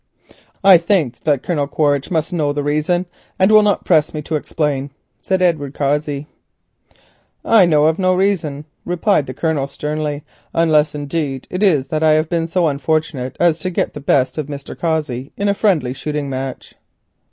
"I think that Colonel Quaritch must know the reason, and will not press me to explain," said Edward Cossey. "I know of no reason," replied the Colonel sternly, "unless indeed it is that I have been so unfortunate as to get the best of Mr. Cossey in a friendly shooting match."